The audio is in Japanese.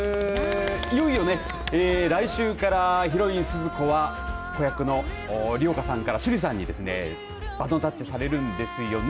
いよいよね来週からヒロイン鈴子は子役の梨丘さんから趣里さんにバトンタッチされるんですよね